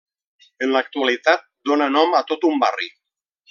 En l'actualitat dóna nom a tot un barri.